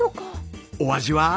お味は？